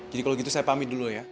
jadi kalau gitu saya pamit dulu ya